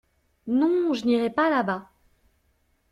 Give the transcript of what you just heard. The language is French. Non, je n’irai pas là-bas.